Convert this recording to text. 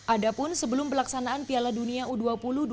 adapun sebelum pelaksanaan piala dunia u dua puluh dua ribu dua puluh